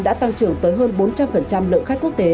đã tăng trưởng tới hơn bốn trăm linh lượng khách quốc tế